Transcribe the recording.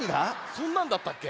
そんなんだったっけ？